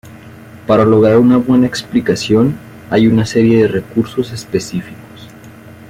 Para lograr una buena explicación, hay una serie de recursos específicos.